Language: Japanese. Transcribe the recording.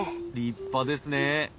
立派ですね！